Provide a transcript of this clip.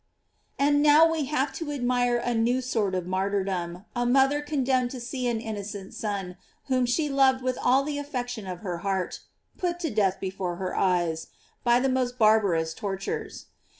AND now we have to admire a new sort of martyrdom, a mother condemned to see an in nocent son, whom she loved with all the affec tion of her heart, put to death before her eyes, by the most barbarous tortures.